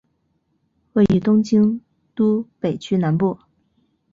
位于东京都北区南部。